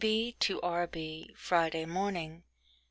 B.B. to R.B._ Friday Morning.